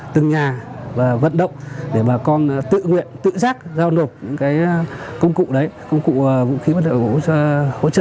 từng nhà và vận động để bà con tự nguyện tự giác giao nộp công cụ vũ khí và liều nổi hỗ trợ